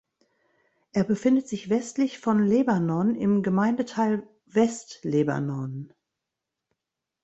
Er befindet sich westlich von Lebanon im Gemeindeteil West Lebanon.